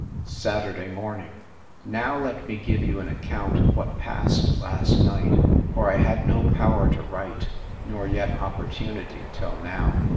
Saturday morning. Now let me give you an account of what passed last night: for I had no power to write, nor yet opportunity till now.